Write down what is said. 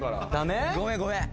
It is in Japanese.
ごめんごめん。